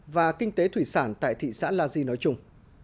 và kinh tế thủy sản tại thị xã la di nói chung